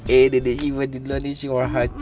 eh dede siva didulungi si warhatnya